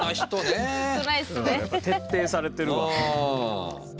うんやっぱ徹底されてるわ。